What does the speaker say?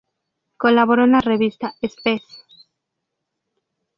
Colaboró en la revista "Spes".